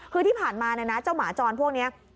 คือที่ผ่านมานะเจ้าหมาจอนพวกนี้